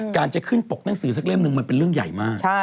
การจะขึ้นปกหนังสือสักเล่มหนึ่งมันเป็นเรื่องใหญ่มาก